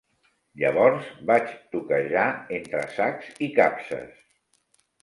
Llavors vaig toquejar entre sacs i capses.